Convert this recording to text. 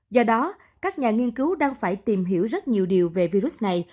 do đó các nhà nghiên cứu đang phải tìm hiểu rất nhiều điều về virus này